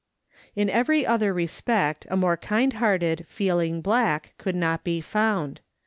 In every other respect a more kind hearted, feeling black could not be found.